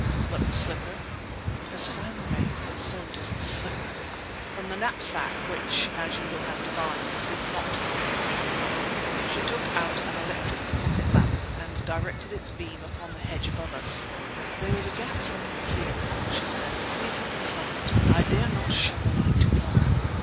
"But the slipper?" "If Hassan remains, so does the slipper!" From the knapsack, which, as you will have divined, did not contain a camera, she took out an electric pocket lamp, and directed its beam upon the hedge above us. "There is a gap somewhere here!" she said. "See if you can find it. I dare not show the light too long."